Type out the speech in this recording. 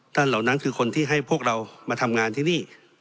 เหล่านั้นคือคนที่ให้พวกเรามาทำงานที่นี่